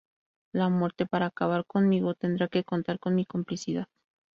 La muerte, para acabar conmigo, tendrá que contar con mi complicidad.